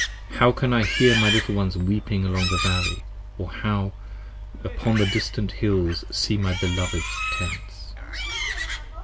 15 How can I hear my little ones weeping along the Valley, Or how upon the distant Hills see my beloveds' Tents.